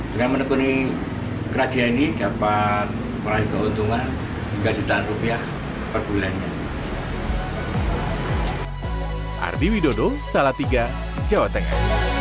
dengan menekuni kerajinan ini dapat meraih keuntungan hingga jutaan rupiah per bulannya